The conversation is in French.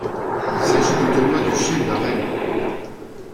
Il s'agit du tournoi du Shield à Rennes.